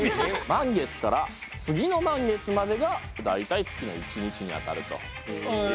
満月から次の満月までが大体月の１日にあたるということですね。